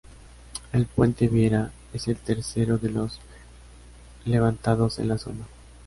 El puente Viera es el tercero de los levantados en la zona.